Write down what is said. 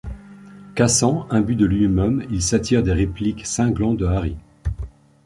Cassant, imbu de lui-même, il s'attire des répliques cinglantes de Harry.